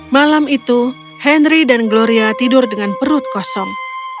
malam itu henry dan gloria tidur dengan perut kosong